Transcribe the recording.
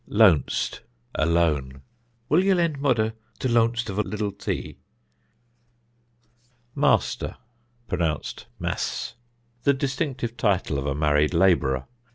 '" Loanst (A loan): "Will you lend mother the loanst of a little tea?" Master (Pronounced Mass). The distinctive title of a married labourer.